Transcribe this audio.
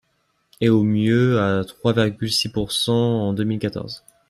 et au mieux à trois virgule six pourcent en deux mille quatorze.